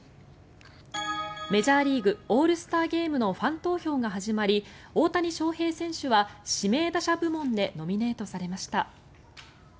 メジャーリーグオールスターゲームのファン投票が始まり大谷翔平選手は指名打者部門でノミネートされました。